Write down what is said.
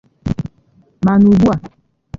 Mana ugbu a